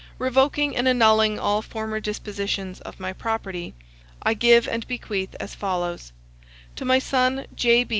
Revoking and annulling all former dispositions of my property, I give and bequeath as follows: to my son J.